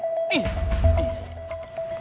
ntar dimakan kucing